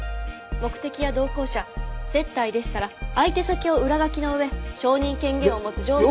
目的や同行者接待でしたら相手先を裏書きの上承認権限を持つ上司の。